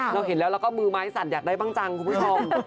เราเห็นแล้วแล้วก็มือไม้สั่นอยากได้บ้างจังคุณผู้ชม